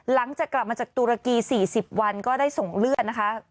หลังจากกลับมาจากตุรกี๔๐วันก็ได้ส่งเลือดนะคะ